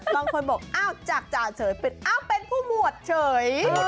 บางคนบอกอ้าวจากจ่าเฉยเป็นผู้หมวดเฉย